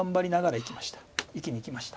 生きにいきました。